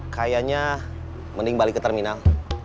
kayaknya mending balik ke terminal